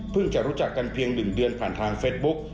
เพิ่งจะรู้จักกันเพียงหนึ่งเดือนผ่านทางเฟซบุ๊ก